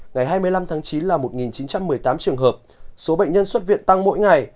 ngày hai mươi năm tháng chín là một chín trăm một mươi tám trường hợp số bệnh nhân xuất viện tăng mỗi ngày